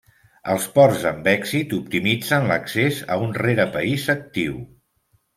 Els ports amb èxit optimitzen l’accés a un rerepaís actiu.